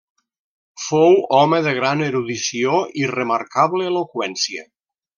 Fou home de gran erudició i remarcable eloqüència.